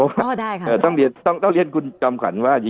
เพราะว่าต้องเรียนคุณจำขวัญว่า